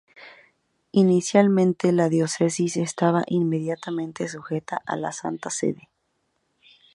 Inicialmente la diócesis estaba inmediatamente sujeta a la Santa Sede.